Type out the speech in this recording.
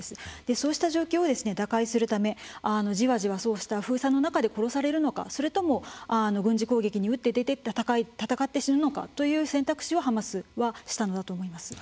そうした状況を打開するためじわじわそうした封鎖の中で殺されるのかそれとも軍事行動に打って出て戦って死ぬのかという選択肢をハマスはしたのだと思います。